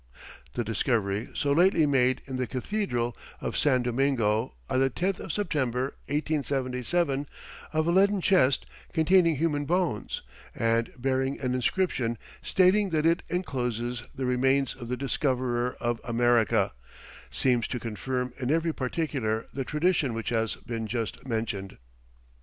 The discovery so lately made in the cathedral of San Domingo, on the 10th of September, 1877, of a leaden chest containing human bones, and bearing an inscription stating that it encloses the remains of the Discoverer of America, seems to confirm in every particular the tradition which has been just mentioned.